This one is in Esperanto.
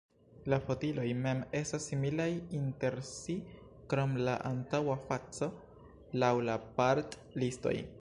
La fotiloj mem estas similaj inter si krom la antaŭa faco, laŭ la part-listoj.